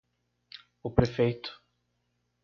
o prefeito;